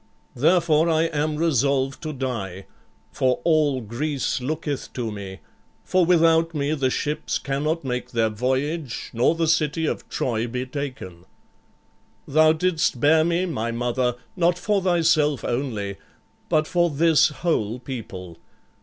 Therefore I am resolved to die; for all Greece looketh to me; for without me the ships cannot make their voyage, nor the city of Troy be taken. Thou didst bear me, my mother, not for thyself only, but for this whole people.